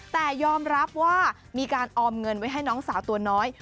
แต่ยอมรับว่ามีการออมเงินไว้ให้น้องสาวตัวน้อย